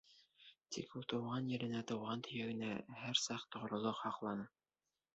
Тик ул тыуған еренә, тыуған төйәгенә һәр саҡ тоғролоҡ һаҡланы.